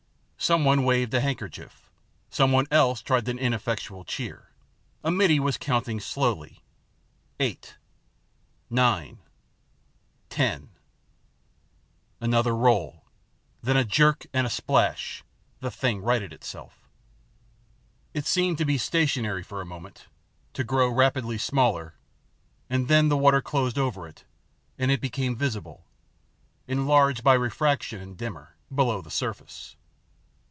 Someone waved a handkerchief, someone else tried an ineffectual cheer, IN THE ABYSS 77 a middy was counting slowly, " Eight, nine, ten !" Another roll, then with a jerk and a splash the thing righted itself. It seemed to be stationary for a moment, to grow rapidly smaller, and then the water closed over it, and it became visible, enlarged by refraction and dimmer, below the surface.